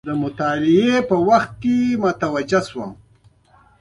د مطالعې په وخت کې متوجه شوم.